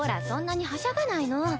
そんなにはしゃがないの。